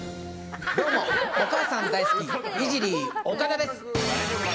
お母さん大好きイジリー岡田です。